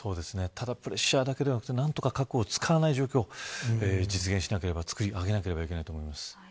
ただプレッシャーだけでなく何とか核を使わない状況を実現しなければ作り上げなければいけないと思います。